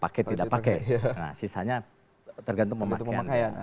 pakai tidak pakai nah sisanya tergantung pemakaian